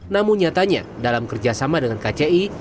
namun nyatanya dalam kerjasama dengan kci